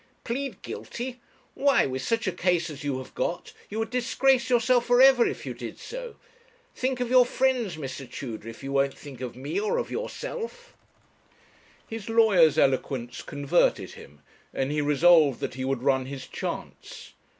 Plead guilty! Why, with such a case as you have got, you would disgrace yourself for ever if you did so. Think of your friends, Mr. Tudor, if you won't think of me or of yourself.' His lawyer's eloquence converted him, and he resolved that he would run his chance.